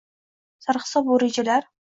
Sarhisob va rejalar